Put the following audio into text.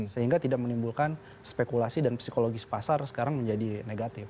sehingga tidak menimbulkan spekulasi dan psikologis pasar sekarang menjadi negatif